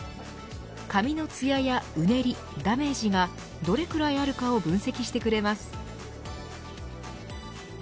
髪のつややうねりダメージがどれくらいあるかを分析してくれます。